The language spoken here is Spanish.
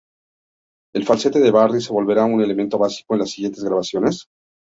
El falsete de Barry se volvería un elemento básico de las siguientes grabaciones.